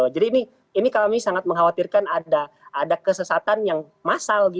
jadi ini kami sangat mengkhawatirkan ada kesesatan yang massal